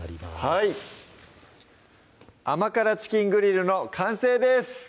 はい「甘辛チキングリル」の完成です